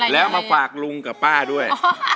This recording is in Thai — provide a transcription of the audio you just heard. แล้วมาฝากลุงกับป้าด้วย